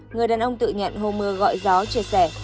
người đàn ông tự nhận hồ mưa gọi gió chia sẻ